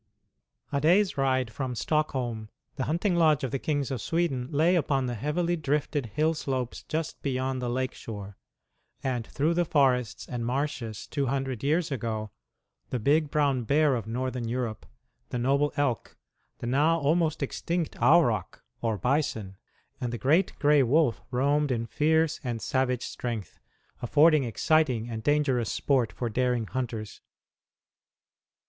A day's ride from Stockholm, the hunting lodge of the kings of Sweden lay upon the heavily drifted hill slopes just beyond the lake shore, and through the forests and marshes two hundred years ago the big brown bear of Northern Europe, the noble elk, the now almost extinct auroch, or bison, and the great gray wolf roamed in fierce and savage strength, affording exciting and dangerous sport for daring hunters.